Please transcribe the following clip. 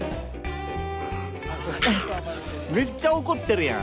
「めっちゃ怒ってるやん！